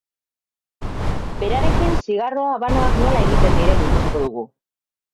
Berarekin zigarro habanoak nola egiten diren ikusiko dugu.